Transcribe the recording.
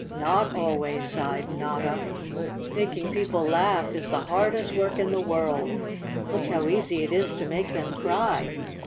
" Not always," sighed Notta. " Making people laugh is the hardest work in the world. Look how easy it is to make them cry?